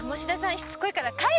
しつこいから帰る！